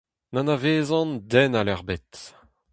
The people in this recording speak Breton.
N'anavezan den all ebet.